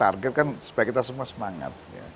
target kan supaya kita semua semangat